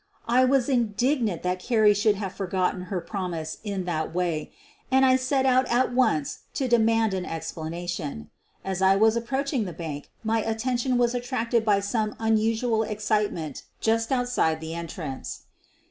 I was indignant that Carrie should have forgot ten her promise in that way, and I set out at once to demand an explanation. As I was approaching the bank my attention was attracted by some un usual excitement just outside the entrance.